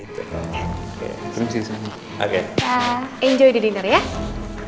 tunggu jalan jalan